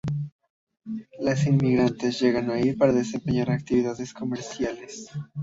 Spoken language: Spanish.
Los inmigrantes llegan allí para desempeñar actividades comerciales.